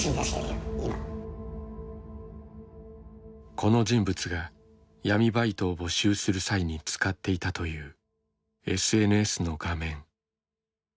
この人物が闇バイトを募集する際に使っていたというＳＮＳの画面。